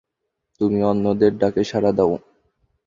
তুমি অন্যদের ডাকে সাড়া দাও।